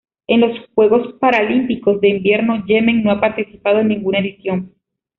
En los Juegos Paralímpicos de Invierno Yemen no ha participado en ninguna edición.